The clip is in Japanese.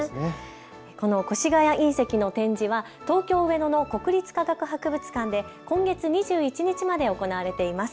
この越谷隕石の展示は東京上野の国立科学博物館で今月２１日まで行われています。